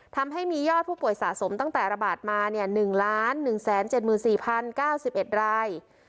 ทำให้มียอดผู้ป่วยสะสมตั้งแต่ระบาดมา๑๑๗๔๐๙๑ราย